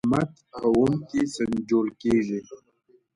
مقاومت په اوم کې سنجول کېږي.